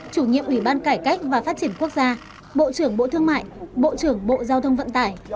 chủ nhiệm ủy ban cải cách và phát triển quốc gia bộ trưởng bộ thương mại bộ trưởng bộ giao thông vận tải